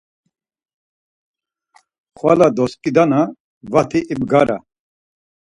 Xvala doskidana vati ibgara.